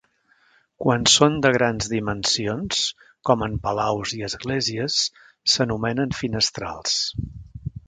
Quan són de grans dimensions, com en palaus i esglésies, s'anomenen finestrals.